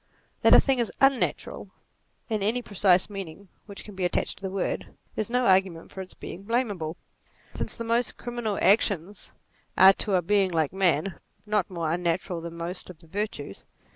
That a thing is unnatural, in any precise meaning which can be attached to the word, is no argument for its being blamable ; since the most criminal actions are to a being like man, not more unnatural than most of the virtues.